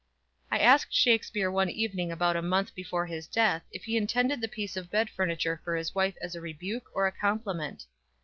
I asked Shakspere one evening about a month before his death if he intended the piece of bed furniture for his wife as a rebuke or a compliment.